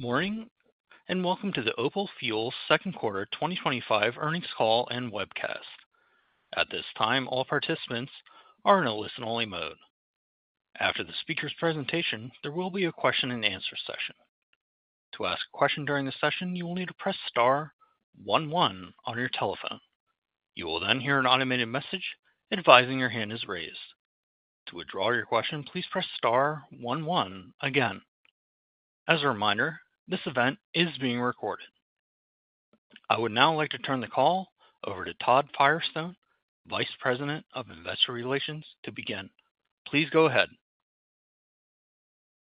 Good morning and welcome to the Opal Fuels Second Quarter 2025 Earnings Call and Webcast. At this time, all participants are in a listen-only mode. After the speaker's presentation, there will be a question and answer session. To ask a question during the session, you will need to press star one-one on your telephone. You will then hear an automated message advising your hand is raised. To withdraw your question, please press star one-one again. As a reminder, this event is being recorded. I would now like to turn the call over to Todd Firestone, Vice President of Investor Relations, to begin. Please go ahead.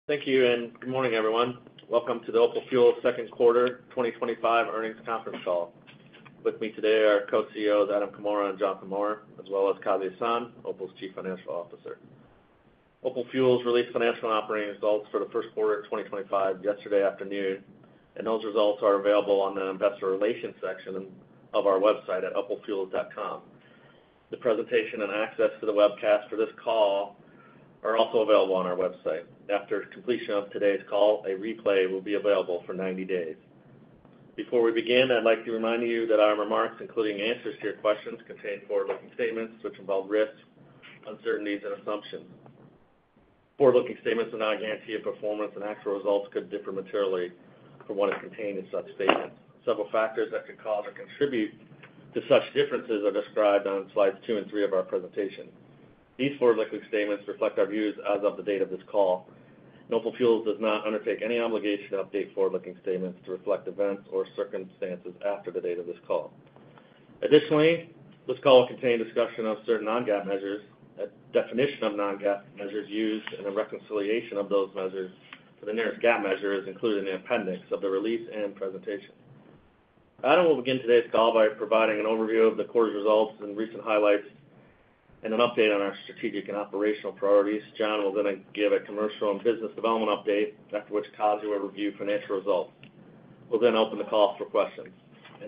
Thank you and good morning, everyone. Welcome to the Opal Fuels Second Quarter 2025 Earnings Conference Call. With me today are Co-CEOs, Adam Comora and Jonathan Maurer, as well as Kazi Hasan, Opal's Chief Financial Officer. Opal Fuels released financial operating results for the first quarter of 2025 yesterday afternoon, and those results are available on the Investor Relations section of our website at opalfuels.com. The presentation and access to the webcast for this call are also available on our website. After completion of today's call, a replay will be available for 90 days. Before we begin, I'd like to remind you that our remarks, including answers to your questions, contain forward-looking statements which involve risks, uncertainties, and assumptions. Forward-looking statements do not guarantee your performance, and actual results could differ materially from what is contained in such statements. Several factors that could cause or contribute to such differences are described on slides two and three of our presentation. These forward-looking statements reflect our views as of the date of this call. Opal Fuels does not undertake any obligation to update forward-looking statements to reflect events or circumstances after the date of this call. Additionally, this call will contain discussion of certain non-GAAP measures, a definition of non-GAAP measures used, and a reconciliation of those measures for the nearest GAAP measure is included in the appendix of the release and presentation. Adam will begin today's call by providing an overview of the quarter's results and recent highlights and an update on our strategic and operational priorities. John will then give a commercial and business development update, after which Kazi will review financial results. We'll then open the call for questions.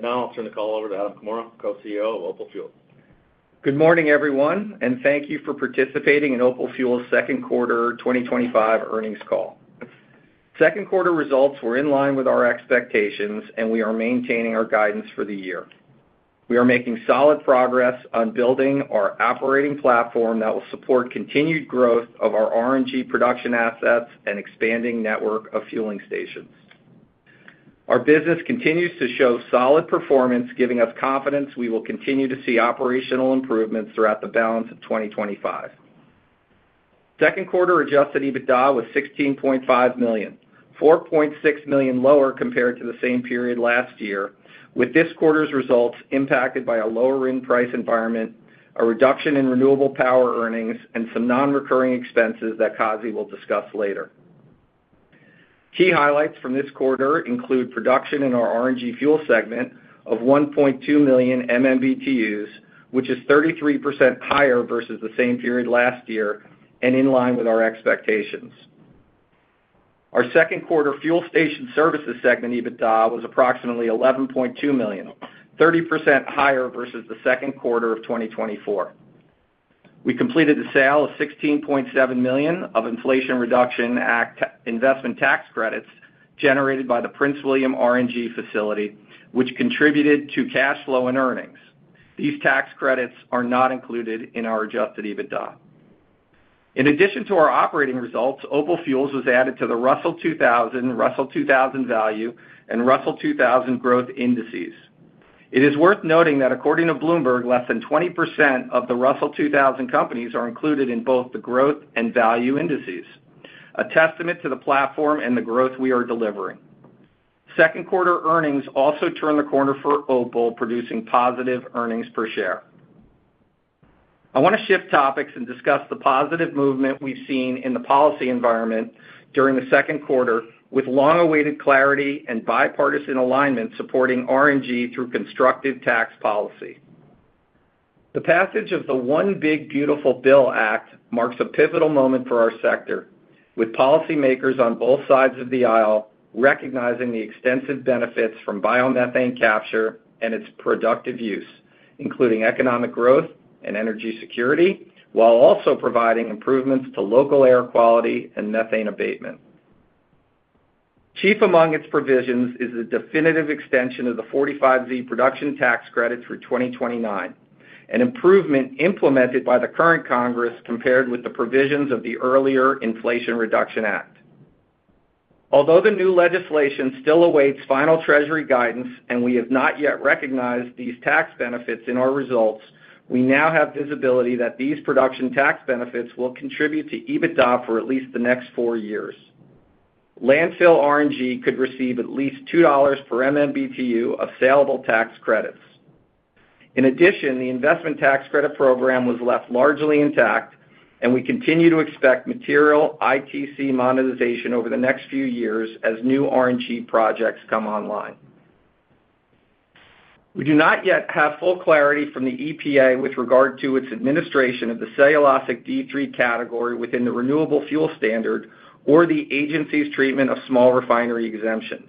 Now I'll turn the call over to Adam Comora, Co-CEO of Opal Fuels. Good morning, everyone, and thank you for participating in Opal Fuels Second Quarter 2025 Earnings Call. Second quarter results were in line with our expectations, and we are maintaining our guidance for the year. We are making solid progress on building our operating platform that will support continued growth of our RNG production assets and expanding network of fueling stations. Our business continues to show solid performance, giving us confidence we will continue to see operational improvements throughout the balance of 2025. Second quarter adjusted EBITDA was $16.5 million, $4.6 million lower compared to the same period last year, with this quarter's results impacted by a lower RIN price environment, a reduction in renewable power earnings, and some non-recurring expenses that Kazi will discuss later. Key highlights from this quarter include production in our RNG fuel segment of 1.2 million MMBtus, which is 33% higher versus the same period last year and in line with our expectations. Our second quarter fuel station services segment EBITDA was approximately $11.2 million, 30% higher versus the second quarter of 2024. We completed a sale of $16.7 million of Inflation Reduction Act investment tax credits generated by the Prince William RNG facility, which contributed to cash flow and earnings. These tax credits are not included in our adjusted EBITDA. In addition to our operating results, Opal Fuels was added to the Russell 2000, Russell 2000 Value, and Russell 2000 Growth Indices. It is worth noting that according to Bloomberg, less than 20% of the Russell 2000 companies are included in both the growth and value indices, a testament to the platform and the growth we are delivering. Second quarter earnings also turned the corner for Opal, producing positive earnings per share. I want to shift topics and discuss the positive movement we've seen in the policy environment during the second quarter, with long-awaited clarity and bipartisan alignment supporting RNG through constructive tax policy. The passage of the One Big Beautiful Bill Act marks a pivotal moment for our sector, with policymakers on both sides of the aisle recognizing the extensive benefits from biomethane capture and its productive use, including economic growth and energy security, while also providing improvements to local air quality and methane abatement. Chief among its provisions is the definitive extension of the 45Z production tax credit through 2029, an improvement implemented by the current Congress compared with the provisions of the earlier Inflation Reduction Act. Although the new legislation still awaits final Treasury guidance and we have not yet recognized these tax benefits in our results, we now have visibility that these production tax benefits will contribute to EBITDA for at least the next four years. Landfill RNG could receive at least $2/MMBtu of salable tax credits. In addition, the investment tax credit program was left largely intact, and we continue to expect material ITC monetization over the next few years as new RNG projects come online. We do not yet have full clarity from the EPA with regard to its administration of the cellulosic D3 category within the Renewable Fuel Standard or the agency's treatment of small refinery exemptions.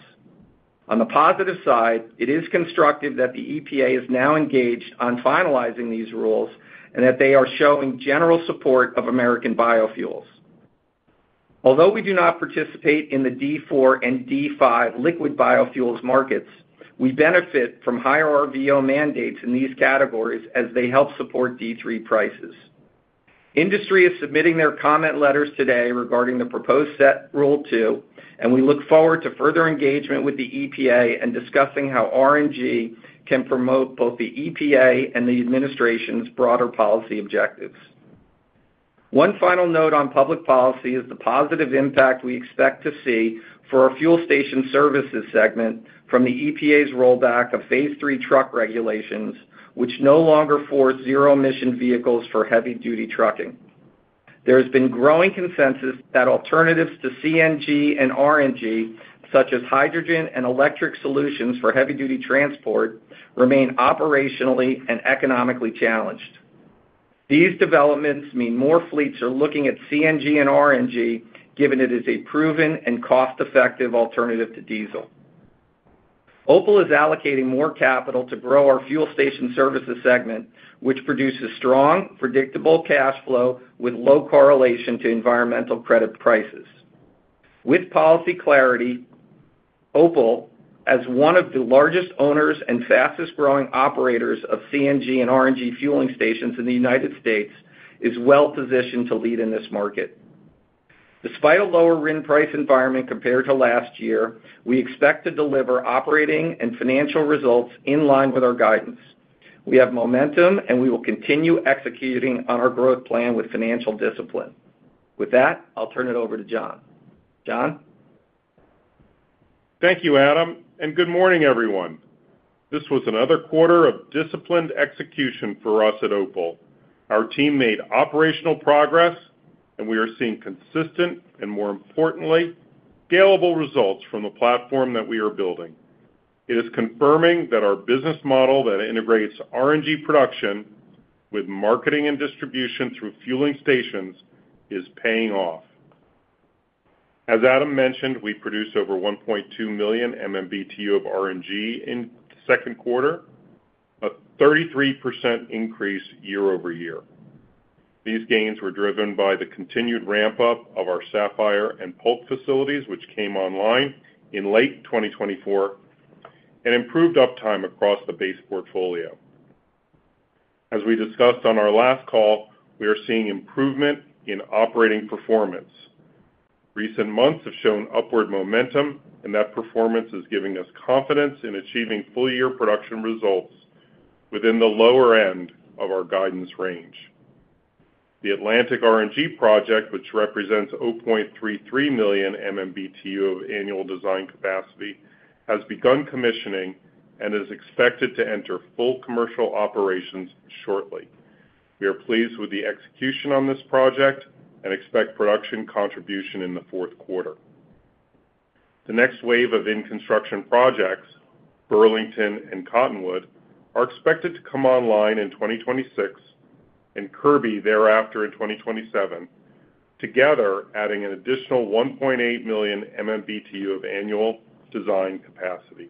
On the positive side, it is constructive that the EPA is now engaged on finalizing these rules and that they are showing general support of American biofuels. Although we do not participate in the D4 and D5 liquid biofuels markets, we benefit from higher RVO mandates in these categories as they help support D3 prices. Industry is submitting their comment letters today regarding the proposed set Rule 2, and we look forward to further engagement with the EPA and discussing how RNG can promote both the EPA and the administration's broader policy objectives. One final note on public policy is the positive impact we expect to see for our fuel station services segment from the EPA's rollback of Phase 3 truck regulations, which no longer force zero-emission vehicles for heavy-duty trucking. There has been growing consensus that alternatives to CNG and RNG, such as hydrogen and electric solutions for heavy-duty transport, remain operationally and economically challenged. These developments mean more fleets are looking at CNG and RNG, given it is a proven and cost-effective alternative to diesel. Opal is allocating more capital to grow our fuel station services segment, which produces strong, predictable cash flow with low correlation to environmental credit prices. With policy clarity, Opal, as one of the largest owners and fastest-growing operators of CNG and RNG fueling stations in the United States, is well positioned to lead in this market. Despite a lower end price environment compared to last year, we expect to deliver operating and financial results in line with our guidance. We have momentum, and we will continue executing on our growth plan with financial discipline. With that, I'll turn it over to Jon. Jon? Thank you, Adam, and good morning, everyone. This was another quarter of disciplined execution for us at Opal Fuels. Our team made operational progress, and we are seeing consistent and, more importantly, scalable results from the platform that we are building. It is confirming that our business model that integrates RNG production with marketing and distribution through fueling stations is paying off. As Adam mentioned, we produced over 1.2 million MMBtu of RNG in the second quarter, a 33% increase year-over-year. These gains were driven by the continued ramp-up of our Sapphire and Polk facilities, which came online in late 2024, and improved uptime across the base portfolio. As we discussed on our last call, we are seeing improvement in operating performance. Recent months have shown upward momentum, and that performance is giving us confidence in achieving full-year production results within the lower end of our guidance range. The Atlantic RNG project, which represents 0.33 million MMBtu of annual design capacity, has begun commissioning and is expected to enter full commercial operations shortly. We are pleased with the execution on this project and expect production contribution in the fourth quarter. The next wave of in-construction projects, Burlington and Cottonwood, are expected to come online in 2026 and Kirby thereafter in 2027, together adding an additional 1.8 million MMBtu of annual design capacity.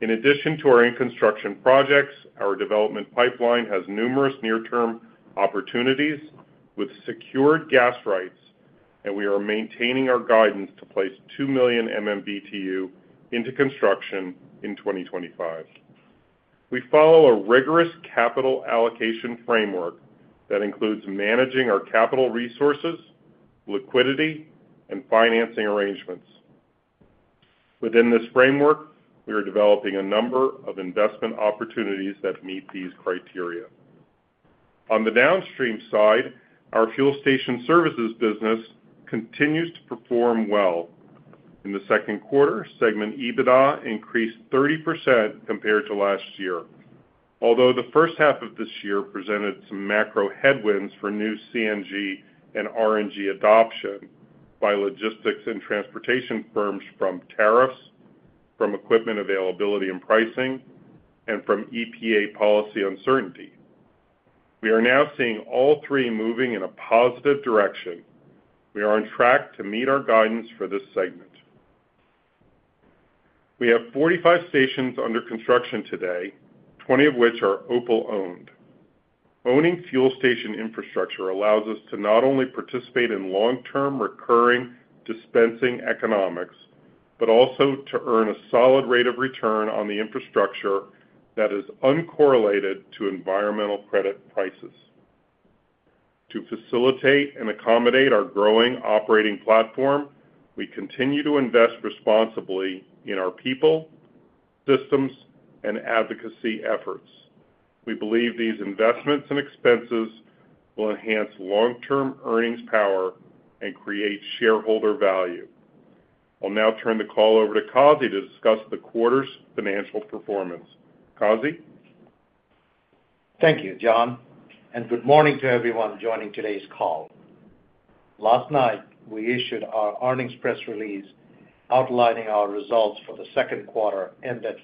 In addition to our in-construction projects, our development pipeline has numerous near-term opportunities with secured gas rights, and we are maintaining our guidance to place 2 million MMBtu into construction in 2025. We follow a rigorous capital allocation framework that includes managing our capital resources, liquidity, and financing arrangements. Within this framework, we are developing a number of investment opportunities that meet these criteria. On the downstream side, our Fuel station services business continues to perform well. In the second quarter, segment EBITDA increased 30% compared to last year, although the first half of this year presented some macro-headwinds for new CNG and RNG adoption by logistics and transportation firms from tariffs, from equipment availability and pricing, and from EPA policy uncertainty. We are now seeing all three moving in a positive direction. We are on track to meet our guidance for this segment. We have 45 stations under construction today, 20 of which are Opal-owned. Owning fuel station infrastructure allows us to not only participate in long-term recurring dispensing economics, but also to earn a solid rate of return on the infrastructure that is uncorrelated to environmental credit prices. To facilitate and accommodate our growing operating platform, we continue to invest responsibly in our people, systems, and advocacy efforts. We believe these investments and expenses will enhance long-term earnings power and create shareholder value. I'll now turn the call over to Kazi to discuss the quarter's financial performance. Kazi? Thank you, Jon, and good morning to everyone joining today's call. Last night, we issued our earnings press release outlining our results for the second quarter ended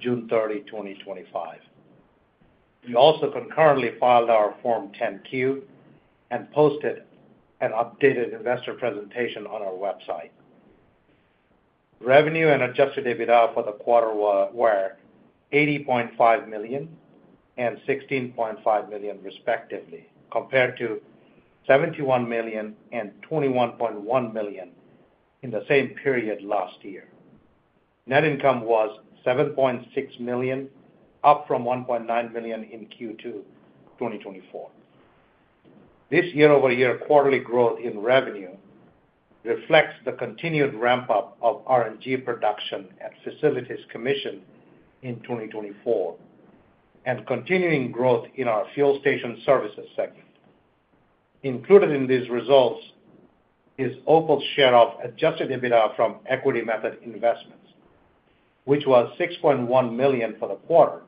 June 30, 2025. We also concurrently filed our Form 10-Q and posted an updated investor presentation on our website. Revenue and adjusted EBITDA for the quarter were $80.5 million and $16.5 million, respectively, compared to $71 million and $21.1 million in the same period last year. Net income was $7.6 million, up from $1.9 million in Q2 2024. This year-over-year quarterly growth in revenue reflects the continued ramp-up of RNG production at facilities commissioned in 2024 and continuing growth in our fuel station services segment. Included in these results is Opal Fuels' share of adjusted EBITDA from equity method investments, which was $6.1 million for the quarter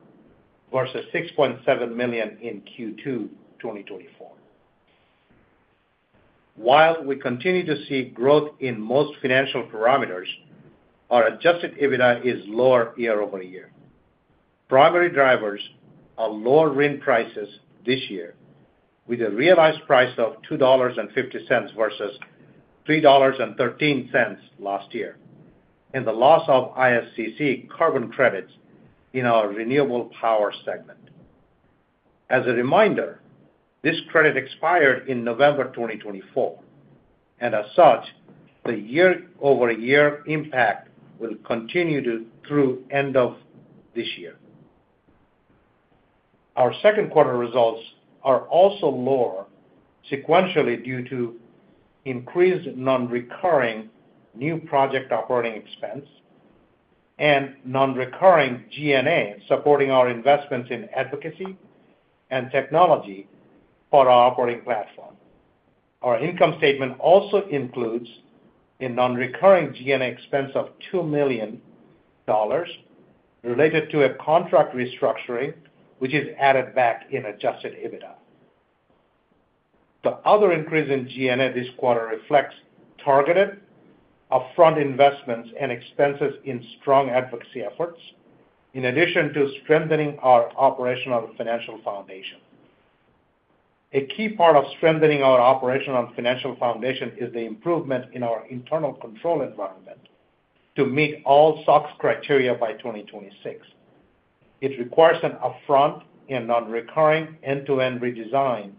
versus $6.7 million in Q2 2024. While we continue to see growth in most financial parameters, our adjusted EBITDA is lower year-over-year. Primary drivers are lower RIN prices this year, with a realized price of $2.50 versus $3.13 last year, and the loss of ISCC carbon credits in our renewable power segment. As a reminder, this credit expired in November 2024, and as such, the year-over-year impact will continue through the end of this year. Our second quarter results are also lower sequentially due to increased non-recurring new project operating expense and non-recurring G&A supporting our investments in advocacy and technology for our operating platform. Our income statement also includes a non-recurring G&A expense of $2 million related to a contract restructuring, which is added back in adjusted EBITDA. The other increase in G&A this quarter reflects targeted upfront investments and expenses in strong advocacy efforts, in addition to strengthening our operational financial foundation. A key part of strengthening our operational and financial foundation is the improvement in our internal control environment to meet all SOC criteria by 2026. It requires an upfront and non-recurring end-to-end redesign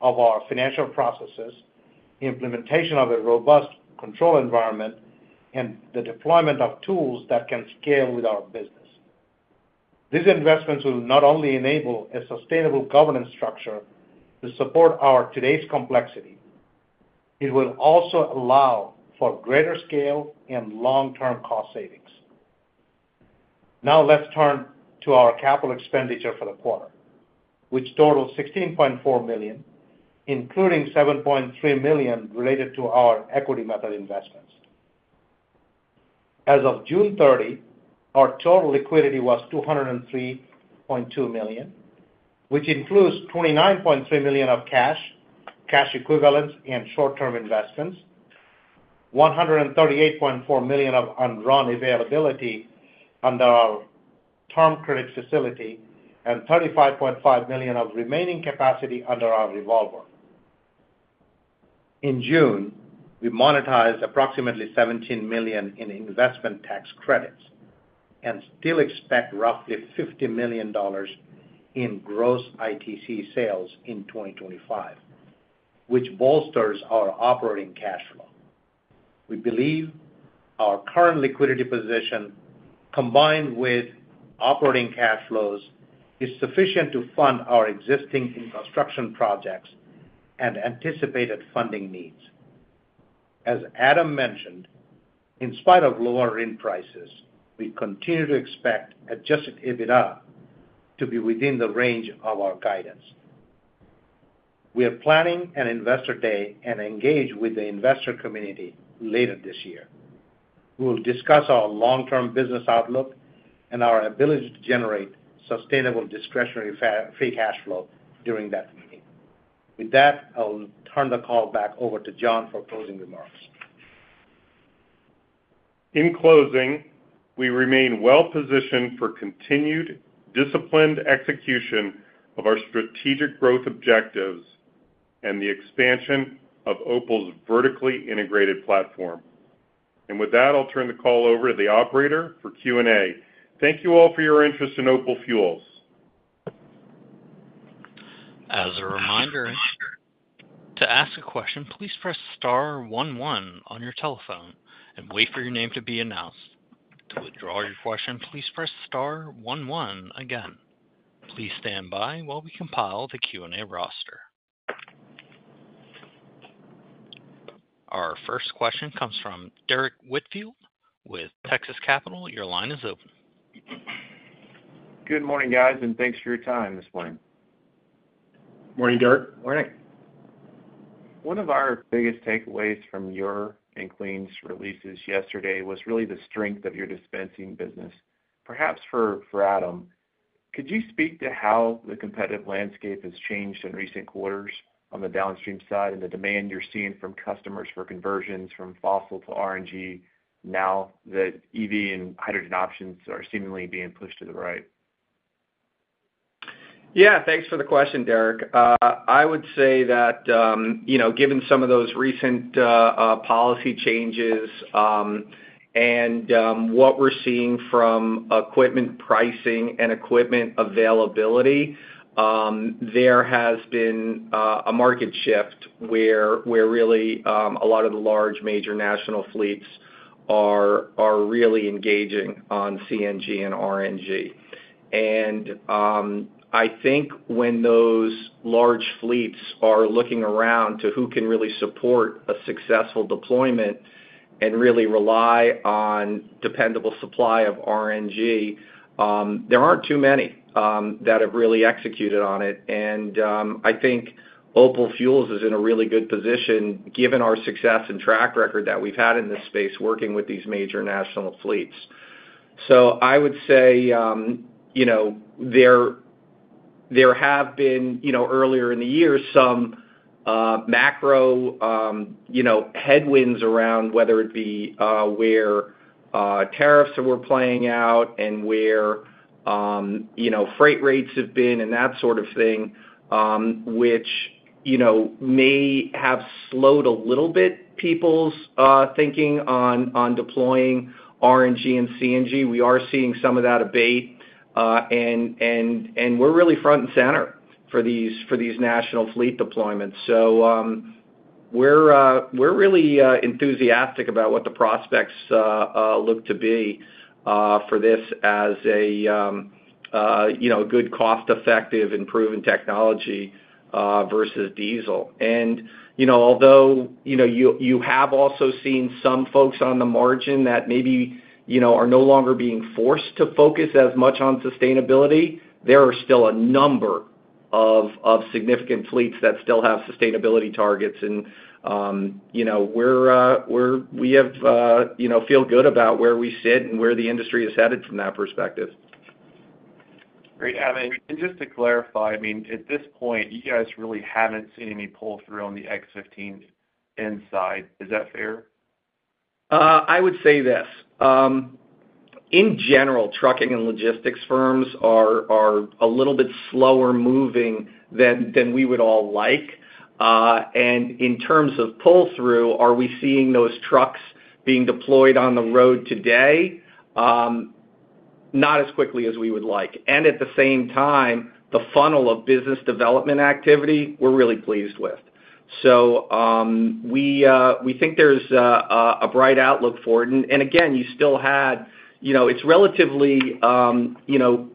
of our financial processes, implementation of a robust control environment, and the deployment of tools that can scale with our business. These investments will not only enable a sustainable governance structure to support our today's complexity, it will also allow for greater scale and long-term cost savings. Now let's turn to our capital expenditure for the quarter, which totals $16.4 million, including $7.3 million related to our equity method investments. As of June 30, our total liquidity was $203.2 million, which includes $29.3 million of cash, cash equivalents, and short-term investments, $138.4 million of unrun availability under our term credit facility, and $35.5 million of remaining capacity under our revolver. In June, we monetized approximately $17 million in investment tax credits and still expect roughly $50 million in gross ITC sales in 2025, which bolsters our operating cash flow. We believe our current liquidity position, combined with operating cash flows, is sufficient to fund our existing construction projects and anticipated funding needs. As Adam mentioned, in spite of lower RIN prices, we continue to expect adjusted EBITDA to be within the range of our guidance. We are planning an investor day and engage with the investor community later this year. We will discuss our long-term business outlook and our ability to generate sustainable discretionary free cash flow during that meeting. With that, I will turn the call back over to Jon for closing remarks. In closing, we remain well positioned for continued disciplined execution of our strategic growth objectives and the expansion of Opal Fuels' vertically integrated platform. With that, I'll turn the call over to the operator for Q&A. Thank you all for your interest in Opal Fuels. As a reminder, to ask a question, please press star one-one on your telephone and wait for your name to be announced. To withdraw your question, please press star one-one again. Please stand by while we compile the Q&A roster. Our first question comes from Derrick Whitfield with Texas Capital. Your line is open. Good morning, guys, and thanks for your time this morning. Morning, Derrick. Morning. One of our biggest takeaways from your and Clean's releases yesterday was really the strength of your dispensing business. Perhaps for Adam, could you speak to how the competitive landscape has changed in recent quarters on the downstream side, and the demand you're seeing from customers for conversions from fossil to RNG now that EV and hydrogen options are seemingly being pushed to the right? Yeah, thanks for the question, Derrick. I would say that, given some of those recent policy changes and what we're seeing from equipment pricing and equipment availability, there has been a market shift where really a lot of the large major national fleets are really engaging on CNG and RNG. I think when those large fleets are looking around to who can really support a successful deployment and really rely on dependable supply of RNG, there aren't too many that have really executed on it. I think Opal Fuels is in a really good position given our success and track record that we've had in this space working with these major national fleets. I would say there have been, earlier in the year, some macro-headwinds around whether it be where tariffs were playing out and where freight rates have been and that sort of thing, which may have slowed a little bit people's thinking on deploying RNG and CNG. We are seeing some of that abate, and we're really front and center for these national fleet deployments. We're really enthusiastic about what the prospects look to be for this as a good cost-effective and proven technology versus diesel. Although you have also seen some folks on the margin that maybe are no longer being forced to focus as much on sustainability, there are still a number of significant fleets that still have sustainability targets. We feel good about where we sit and where the industry is headed from that perspective. Great. Just to clarify, at this point, you guys really haven't seen any pull-through on the X15 inside. Is that fair? I would say this. In general, trucking and logistics firms are a little bit slower moving than we would all like. In terms of pull-through, are we seeing those trucks being deployed on the road today? Not as quickly as we would like. At the same time, the funnel of business development activity we're really pleased with. We think there's a bright outlook for it. You still had, you know, it's relatively, you know,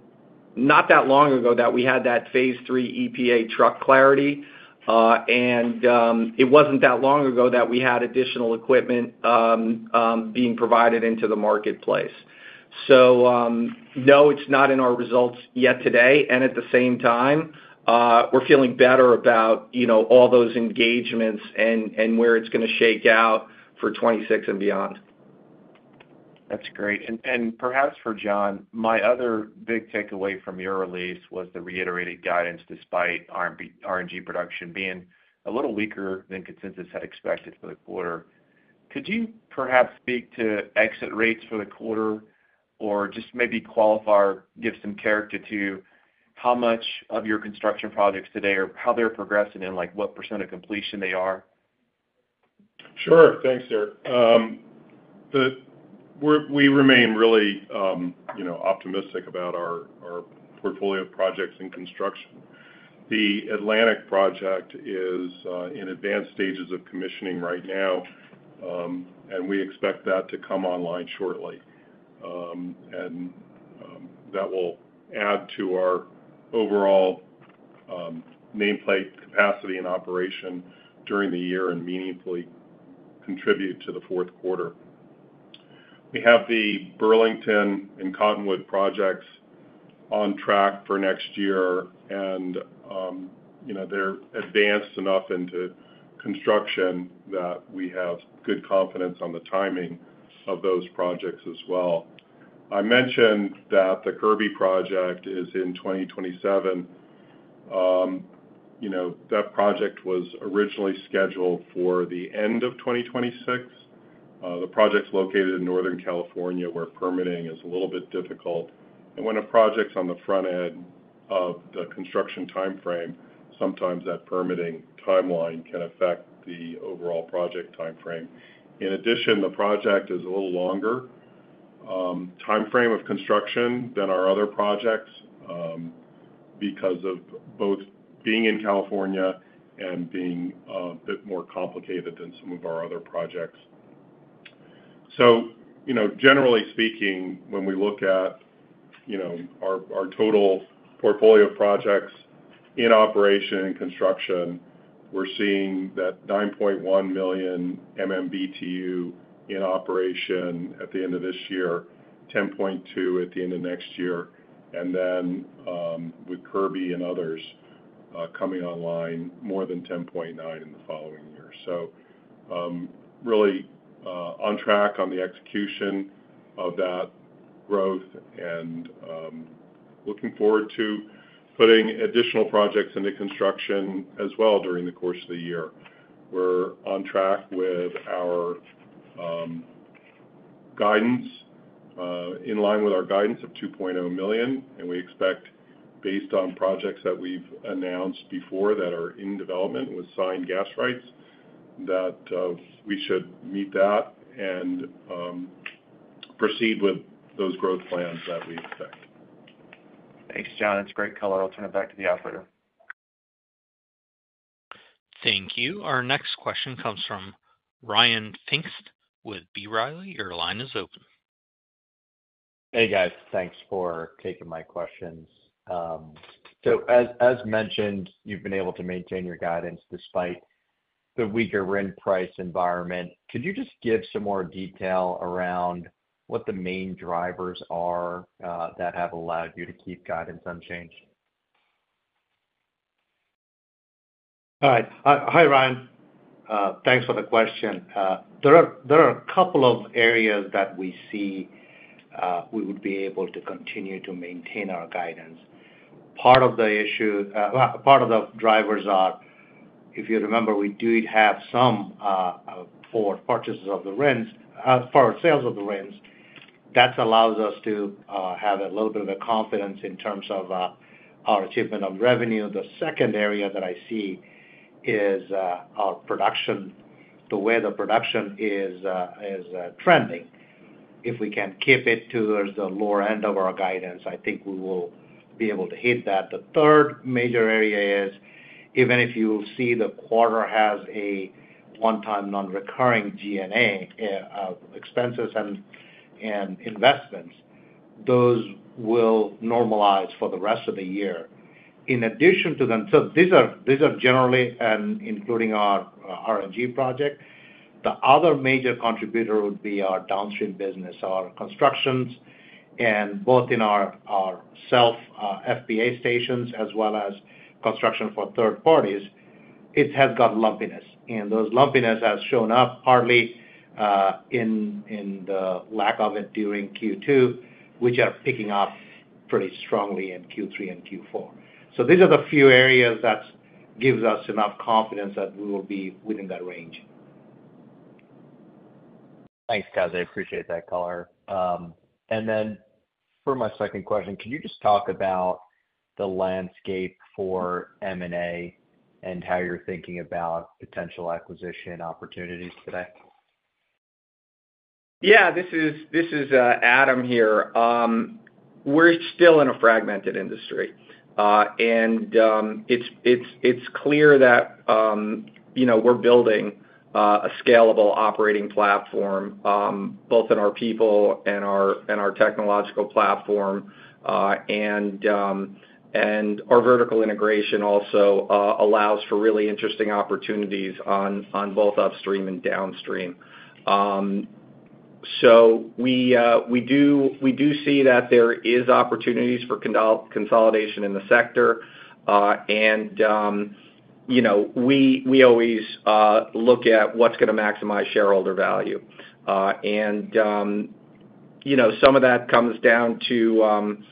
not that long ago that we had that Phase 3 EPA truck clarity. It wasn't that long ago that we had additional equipment being provided into the marketplace. No, it's not in our results yet today. At the same time, we're feeling better about, you know, all those engagements and where it's going to shake out for 2026 and beyond. That's great. Perhaps for Jon, my other big takeaway from your release was the reiterated guidance despite RNG production being a little weaker than consensus had expected for the quarter. Could you perhaps speak to exit rates for the quarter or just maybe qualify, or give some character to how much of your construction projects today or how they're progressing and what percent of completion they are? Sure. Thanks, Derrick. We remain really optimistic about our portfolio of projects in construction. The Atlantic project is in advanced stages of commissioning right now, and we expect that to come online shortly. That will add to our overall nameplate capacity and operation during the year and meaningfully contribute to the fourth quarter. We have the Burlington and Cottonwood projects on track for next year, and they're advanced enough into construction that we have good confidence on the timing of those projects as well. I mentioned that the Kirby project is in 2027. That project was originally scheduled for the end of 2026. The project's located in Northern California, where permitting is a little bit difficult. When a project's on the front end of the construction timeframe, sometimes that permitting timeline can affect the overall project timeframe. In addition, the project is a little longer timeframe of construction than our other projects because of both being in California and being a bit more complicated than some of our other projects. Generally speaking, when we look at our total portfolio of projects in operation and construction, we're seeing that 9.1 million MMBtu in operation at the end of this year, 10.2 million MMBtu at the end of next year, and then with Kirby and others coming online, more than 10.9 million MMBtu in the following year. Really on track on the execution of that growth and looking forward to putting additional projects into construction as well during the course of the year. We're on track with our guidance, in line with our guidance of 2.0 million MMBtu, and we expect, based on projects that we've announced before that are in development with signed gas rights, that we should meet that and proceed with those growth plans that we've set. Thanks, Jon. That's great color. I'll turn it back to the operator. Thank you. Our next question comes from Ryan Pfingst with B. Riley. Your line is open. Hey, guys. Thanks for taking my questions. As mentioned, you've been able to maintain your guidance despite the weaker RIN price environment. Could you just give some more detail around what the main drivers are that have allowed you to keep guidance unchanged? All right. Hi, Ryan. Thanks for the question. There are a couple of areas that we see we would be able to continue to maintain our guidance. Part of the issue, part of the drivers are, if you remember, we did have some forward purchases of the RINs, forward sales of the RINs. That allows us to have a little bit of confidence in terms of our achievement of revenue. The second area that I see is our production, the way the production is trending. If we can keep it towards the lower end of our guidance, I think we will be able to hit that. The third major area is, even if you see the quarter has a one-time non-recurring G&A of expenses and investments, those will normalize for the rest of the year. In addition to them, these are generally, and including our RNG project, the other major contributor would be our downstream business, our constructions, and both in ourself FBA stations as well as construction for third parties. It has got lumpiness, and those lumpiness has shown up partly in the lack of it during Q2, which are picking up pretty strongly in Q3 and Q4. These are the few areas that give us enough confidence that we will be within that range. Thanks, guys. I appreciate that color. For my second question, could you just talk about the landscape for M&A and how you're thinking about potential acquisition opportunities today? Yeah, this is Adam here. We're still in a fragmented industry, and it's clear that we're building a scalable operating platform, both in our people and our technological platform. Our vertical integration also allows for really interesting opportunities on both upstream and downstream. We do see that there are opportunities for consolidation in the sector, and we always look at what's going to maximize shareholder value. Some of that comes down to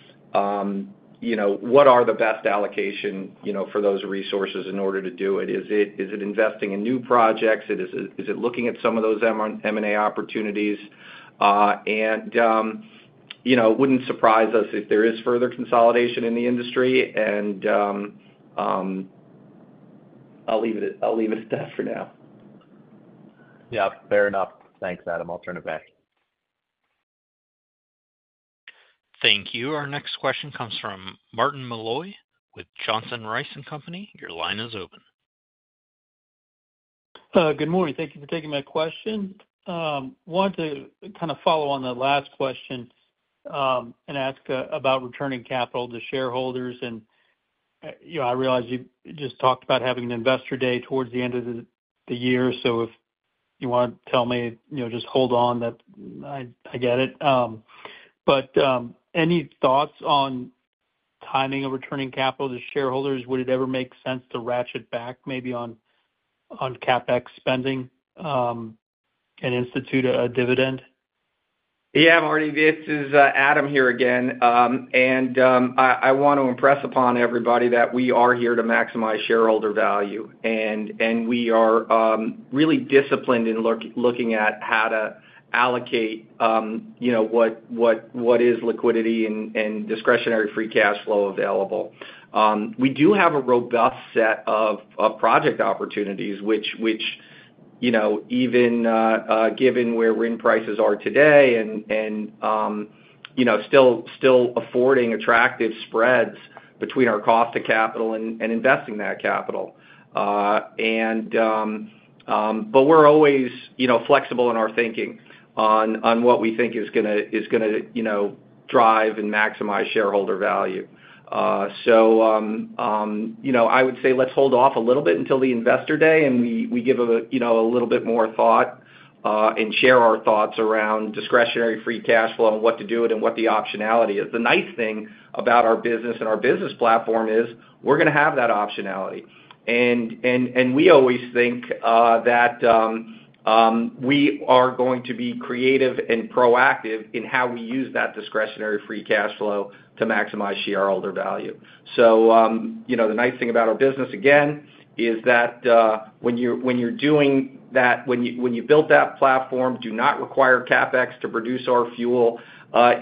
what are the best allocation for those resources in order to do it. Is it investing in new projects? Is it looking at some of those M&A opportunities? It wouldn't surprise us if there is further consolidation in the industry. I'll leave it at that for now. Yeah, fair enough. Thanks, Adam. I'll turn it back. Thank you. Our next question comes from Martin Malloy with Johnson Rice & Company. Your line is open. Good morning. Thank you for taking my question. I wanted to follow on that last question and ask about returning capital to shareholders. I realize you just talked about having an investor day towards the end of the year. If you want to tell me just hold on, I get it. Any thoughts on timing of returning capital to shareholders? Would it ever make sense to ratchet back maybe on CapEx spending and institute a dividend? Yeah, Martin, this is Adam here again. I want to impress upon everybody that we are here to maximize shareholder value. We are really disciplined in looking at how to allocate, you know, what is liquidity and discretionary free cash flow available. We do have a robust set of project opportunities, which, you know, even given where RIN prices are today, still affording attractive spreads between our cost of capital and investing that capital. We're always, you know, flexible in our thinking on what we think is going to, you know, drive and maximize shareholder value. I would say let's hold off a little bit until the investor day and we give a, you know, a little bit more thought and share our thoughts around discretionary free cash flow and what to do with it and what the optionality is. The nice thing about our business and our business platform is we're going to have that optionality. We always think that we are going to be creative and proactive in how we use that discretionary free cash flow to maximize shareholder value. The nice thing about our business, again, is that when you're doing that, when you build that platform, do not require CapEx to produce our fuel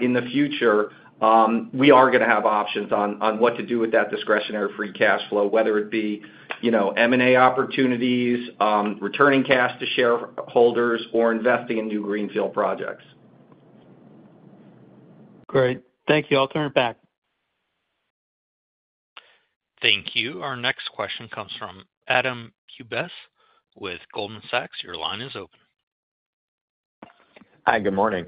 in the future. We are going to have options on what to do with that discretionary free cash flow, whether it be, you know, M&A opportunities, returning cash to shareholders, or investing in new greenfield projects. Great. Thank you. I'll turn it back. Thank you. Our next question comes from Adam Bubes with Goldman Sachs. Your line is open. Hi, good morning.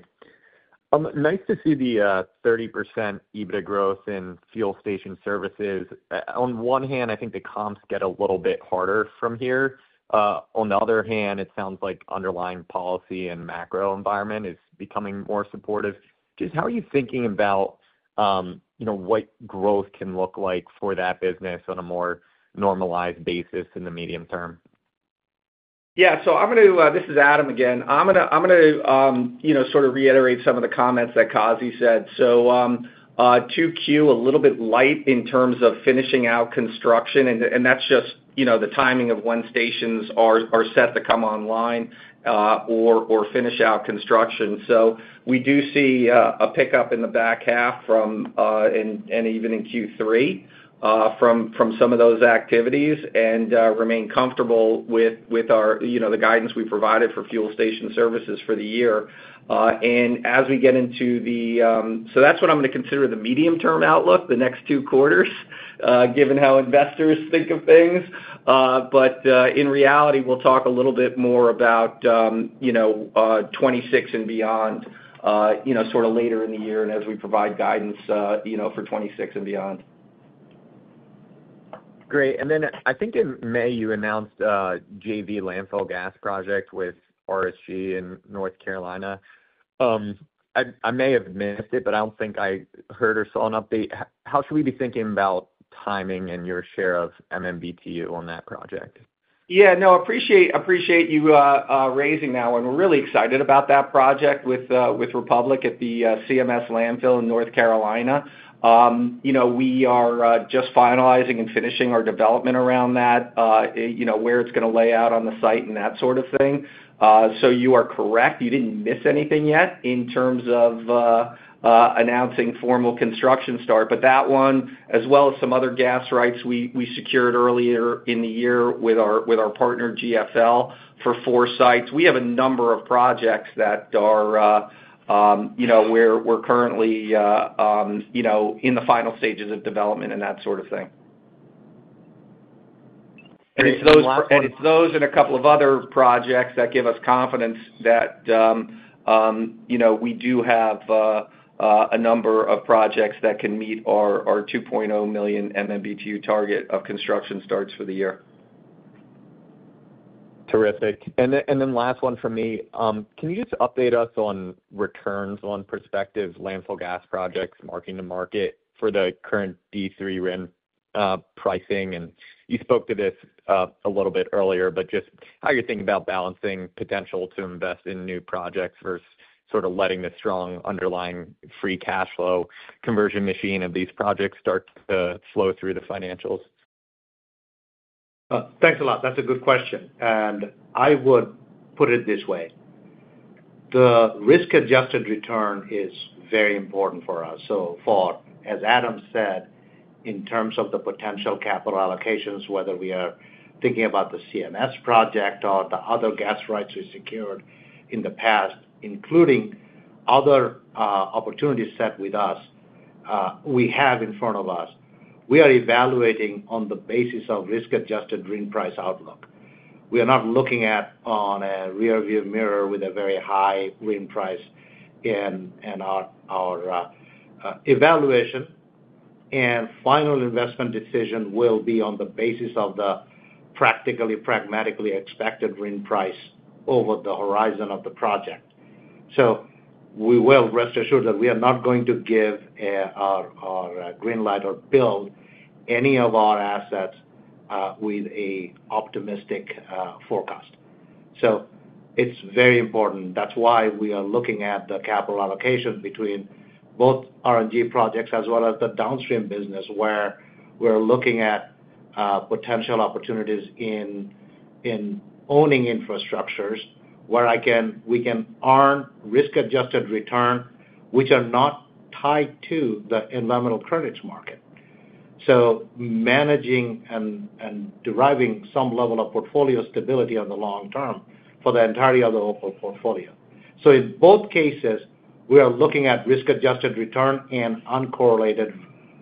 Nice to see the 30% EBITDA growth in fuel station services. On one hand, I think the comps get a little bit harder from here. On the other hand, it sounds like underlying policy and macro environment is becoming more supportive. Just how are you thinking about what growth can look like for that business on a more normalized basis in the medium term? Yeah, this is Adam again. I'm going to sort of reiterate some of the comments that Kazi said. 2Q was a little bit light in terms of finishing out construction, and that's just the timing of when stations are set to come online or finish out construction. We do see a pickup in the back half, and even in Q3, from some of those activities and remain comfortable with our guidance we provided for fuel station services for the year. As we get into the, that's what I'm going to consider the medium-term outlook, the next two quarters, given how investors think of things. In reality, we'll talk a little bit more about 2026 and beyond later in the year and as we provide guidance for 2026 and beyond. Great. I think in May you announced a JV landfill gas project with RSG in North Carolina. I may have missed it, but I don't think I heard or saw an update. How should we be thinking about timing and your share of MMBtu on that project? Yeah, no, I appreciate you raising that one. We're really excited about that project with Republic at the CMS landfill in North Carolina. We are just finalizing and finishing our development around that, where it's going to lay out on the site and that sort of thing. You are correct. You didn't miss anything yet in terms of announcing formal construction start. That one, as well as some other gas rights we secured earlier in the year with our partner GFL for four sites, we have a number of projects that are currently in the final stages of development and that sort of thing. It is those and a couple of other projects that give us confidence that we do have a number of projects that can meet our 2.0 million MMBtu target of construction starts for the year. Terrific. Last one from me. Can you just update us on returns on prospective landfill RNG projects, marking to market for the current D3 RIN pricing? You spoke to this a little bit earlier, but just how you're thinking about balancing potential to invest in new projects versus sort of letting the strong underlying free cash flow conversion machine of these projects start to flow through the financials. Thanks a lot. That's a good question. I would put it this way. The risk-adjusted return is very important for us. As Adam said, in terms of the potential capital allocations, whether we are thinking about the CMS project or the other gas rights we secured in the past, including other opportunities set with us, we have in front of us, we are evaluating on the basis of risk-adjusted RIN price outlook. We are not looking at a rearview mirror with a very high RIN price in our evaluation. Final investment decision will be on the basis of the practically, pragmatically expected RIN price over the horizon of the project. We will rest assured that we are not going to give our green light or build any of our assets with an optimistic forecast. It's very important. That's why we are looking at the capital allocation between both RNG projects as well as the downstream business where we're looking at potential opportunities in owning infrastructures where I can, we can earn risk-adjusted returns which are not tied to the environmental credits market. Managing and deriving some level of portfolio stability in the long term for the entirety of the Opal Fuels portfolio. In both cases, we are looking at risk-adjusted return and uncorrelated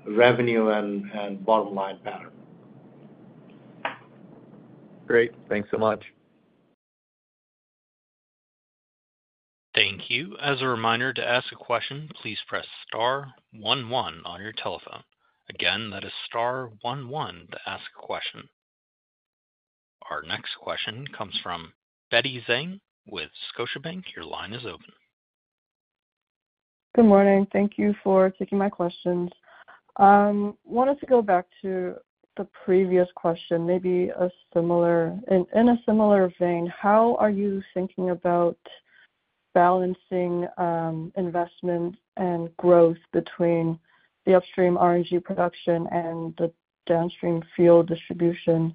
revenue and bottom line pattern. Great. Thanks so much. Thank you. As a reminder, to ask a question, please press star one-one on your telephone. Again, that is star one-one to ask a question. Our next question comes from Betty Zhang with Scotiabank. Your line is open. Good morning. Thank you for taking my questions. I wanted to go back to the previous question, maybe in a similar vein. How are you thinking about balancing investment and growth between the upstream RNG production and the downstream fuel distribution?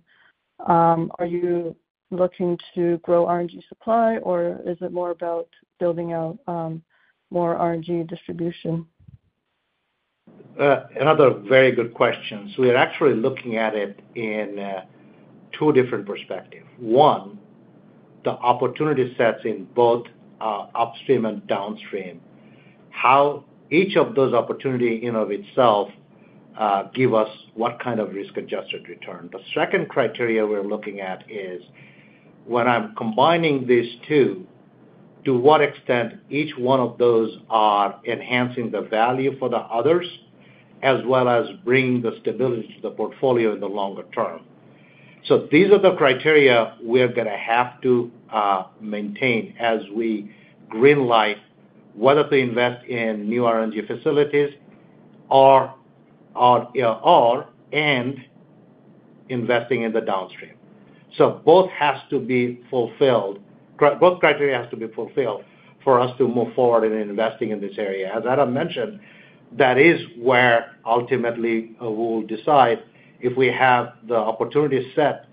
Are you looking to grow RNG supply, or is it more about building out more RNG distribution? Another very good question. We are actually looking at it in two different perspectives. One, the opportunity sets in both upstream and downstream, how each of those opportunities in and of itself give us what kind of risk-adjusted return. The second criteria we're looking at is when I'm combining these two, to what extent each one of those is enhancing the value for the others, as well as bringing the stability to the portfolio in the longer term. These are the criteria we're going to have to maintain as we greenlight whether to invest in new RNG facilities or investing in the downstream. Both have to be fulfilled. Both criteria have to be fulfilled for us to move forward in investing in this area. As Adam mentioned, that is where ultimately we will decide if we have the opportunity set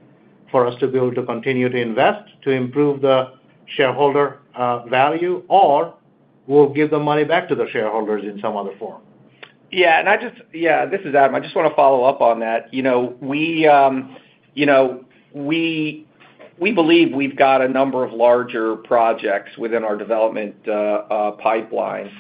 for us to be able to continue to invest to improve the shareholder value or we'll give the money back to the shareholders in some other form. Yeah, I just want to follow up on that. We believe we've got a number of larger projects within our development pipeline,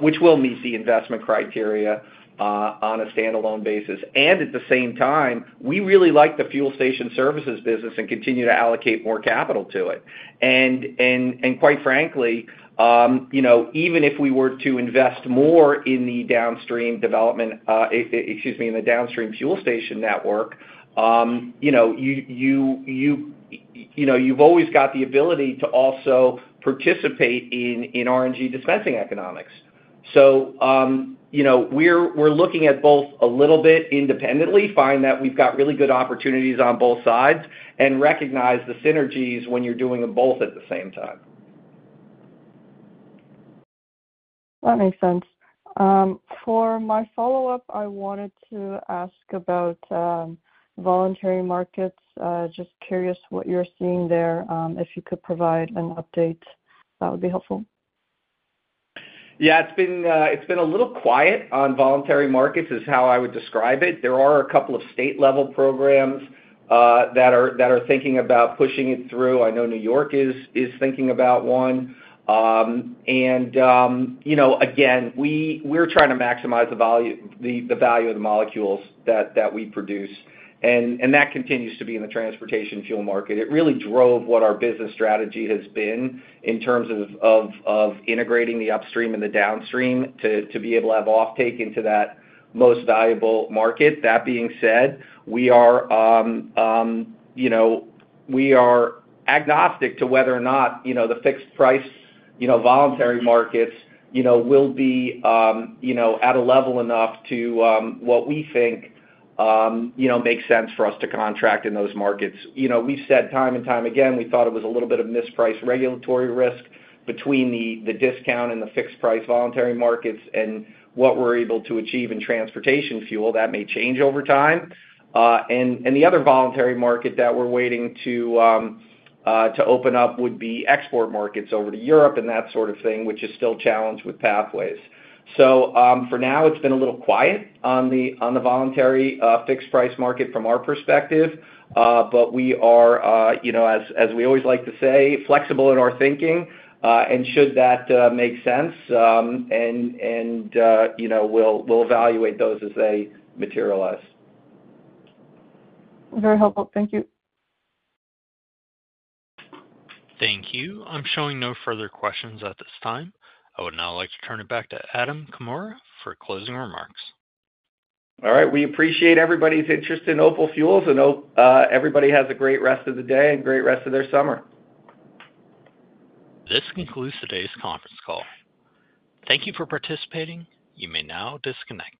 which will meet the investment criteria on a standalone basis. At the same time, we really like the fuel station services business and continue to allocate more capital to it. Quite frankly, even if we were to invest more in the downstream development, excuse me, in the downstream fuel station network, you've always got the ability to also participate in RNG dispensing economics. We're looking at both a little bit independently, find that we've got really good opportunities on both sides, and recognize the synergies when you're doing them both at the same time. That makes sense. For my follow-up, I wanted to ask about voluntary markets. Just curious what you're seeing there. If you could provide an update, that would be helpful. Yeah, it's been a little quiet on voluntary markets is how I would describe it. There are a couple of state-level programs that are thinking about pushing it through. I know New York is thinking about one. We're trying to maximize the value of the molecules that we produce, and that continues to be in the transportation fuel market. It really drove what our business strategy has been in terms of integrating the upstream and the downstream to be able to have offtake into that most valuable market. That being said, we are agnostic to whether or not the fixed price voluntary markets will be at a level enough to what we think makes sense for us to contract in those markets. We've said time and time again, we thought it was a little bit of mispriced regulatory risk between the discount and the fixed price voluntary markets and what we're able to achieve in transportation fuel. That may change over time. The other voluntary market that we're waiting to open up would be export markets over to Europe and that sort of thing, which is still challenged with pathways. For now, it's been a little quiet on the voluntary fixed price market from our perspective. We are, as we always like to say, flexible in our thinking, and should that make sense, we'll evaluate those as they materialize. Very helpful. Thank you. Thank you. I'm showing no further questions at this time. I would now like to turn it back to Adam Comora for closing remarks. All right. We appreciate everybody's interest in Opal Fuels, and hope everybody has a great rest of the day and a great rest of their summer. This concludes today's conference call. Thank you for participating. You may now disconnect.